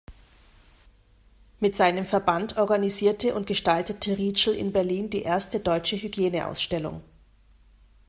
Mit seinem Verband organisierte und gestaltete Rietschel in Berlin die erste deutsche Hygieneausstellung.